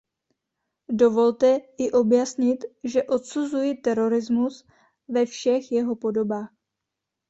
Dovolte i objasnit, že odsuzuji terorismus ve všech jeho podobách.